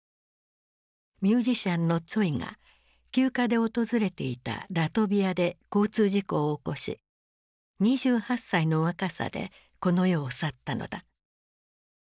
ミュージシャンのツォイが休暇で訪れていたラトビアで交通事故を起こし２８歳の若さでこの世を去ったのだ。